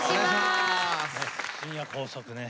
「深夜高速」ね。